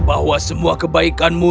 bahwa semua kebaikanmu